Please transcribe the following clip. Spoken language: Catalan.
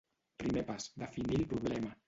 Primer pas: definir el problema.